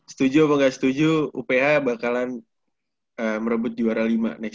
setuju apa nggak setuju uph bakalan merebut juara lima